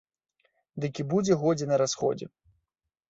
Дык і будзе годзе на расходзе!